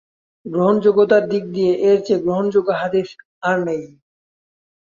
গ্রহণযোগ্যতার দিক দিয়ে এর চেয়ে গ্রহণযোগ্য হাদিস আর নেই।